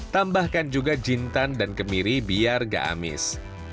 tambahkan juga jintan dan kemiri biar gak amis